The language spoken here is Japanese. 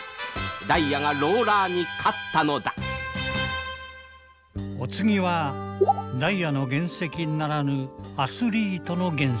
ダイヤがローラーに勝ったのだお次はダイヤの原石ならぬアスリートの原石。